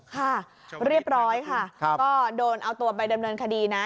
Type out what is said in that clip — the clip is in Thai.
ค่ะเรียบร้อยค่ะก็โดนเอาตัวไปดำเนินคดีนะ